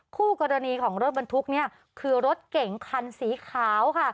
คู่กรณีของรถบันทึกนี่คือรถเก่งคันสีขาว